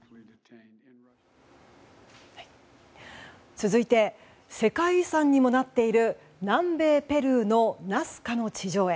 続いて世界遺産にもなっている南米ペルーのナスカの地上絵。